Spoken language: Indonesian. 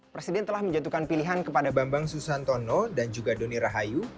presiden telah menjatuhkan pilihan kepada bambang susantono dan juga doni rahayu